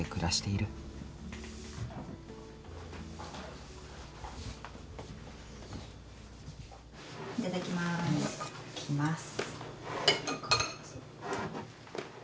いただきます。